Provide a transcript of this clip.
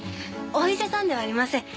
お医者さんではありません。